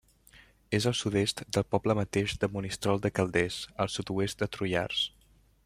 És al sud-est del poble mateix de Monistrol de Calders, al sud-oest de Trullars.